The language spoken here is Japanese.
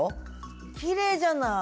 きれいじゃない？